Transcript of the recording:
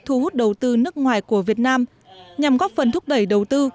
thu hút đầu tư nước ngoài của việt nam nhằm góp phần thúc đẩy đầu tư